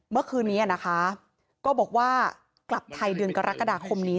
เมื่อคืนนี้นะคะก็บอกว่ากลับไทยเดือนกรกฎาคมนี้